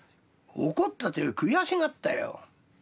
怒ったというより悔しがったよ。